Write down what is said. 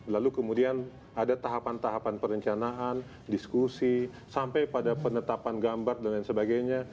lalu kemudian ada tahapan tahapan perencanaan diskusi sampai pada penetapan gambar dan lain sebagainya